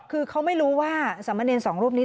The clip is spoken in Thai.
คือเขาไม่รู้ว่าสามเณรสองรูปนี้